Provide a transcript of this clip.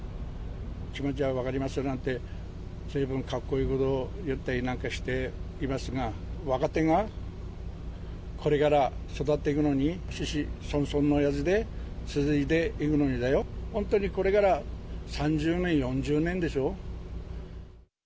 気持ちは分かりますよなんて、ずいぶんかっこいいこと言ったりなんかしていますが、若手がこれから育っていくのに、子々孫々のやつで続いていくのにだよ、本当にこれから３０年、４０年でしょ。